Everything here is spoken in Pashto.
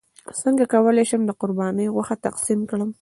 څنګه کولی شم د قرباني غوښه تقسیم کړم